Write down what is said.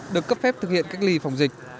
được cấp phép thực hiện cách ly phòng dịch